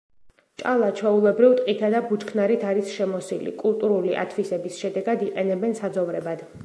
ჭალა, ჩვეულებრივ, ტყითა და ბუჩქნარით არის შემოსილი, კულტურული ათვისების შედეგად იყენებენ საძოვრებად.